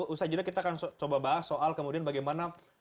usahajalah kita akan coba bahas soal kemudian bagaimana